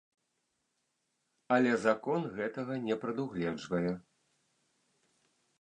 Але закон гэтага не прадугледжвае.